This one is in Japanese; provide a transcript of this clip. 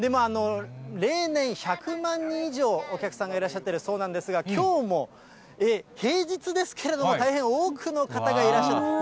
例年、１００万人以上お客さんがいらっしゃってるそうなんですが、きょうも平日ですけれども、大変多くの方がいらっしゃっている。